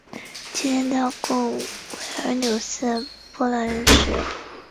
今天它供维尔纽斯的波兰人使用。